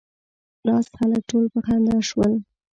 ناست خلک ټول په خندا شول.